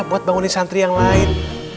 buat bangunin santri yang lain